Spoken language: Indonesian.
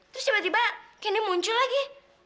terus tiba tiba kini muncul lagi